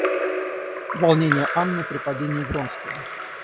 Волнение Анны при падении Вронского.